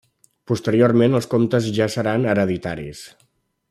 Posteriorment els comtes ja seran hereditaris.